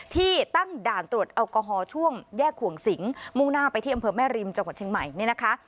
ที่ตั้งด่านตรวจแอลกอฮอลช่วงแยกขวงสิงมุ่งหน้าไปที่อำเภอแม่ริมจังหวัดเชียงใหม่เนี่ยนะคะ